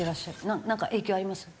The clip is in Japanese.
なんか影響あります？